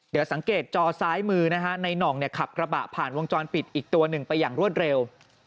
เดี๋ยวสังเกตจอซ้ายมือนะฮะในหน่องขับกระบะผ่านวงจรปิดอีกตัวหนึ่งไปอย่างรวดเร็ว